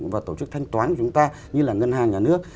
và tổ chức thanh toán của chúng ta như là ngân hàng nhà nước